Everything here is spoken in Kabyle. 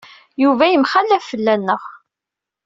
Yuba yemxallaf fell-aneɣ.